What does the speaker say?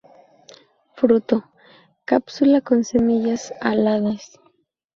Fruto cápsula con semillas aladas.